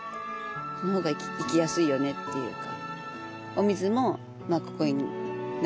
そのほうが生きやすいよねっていうか。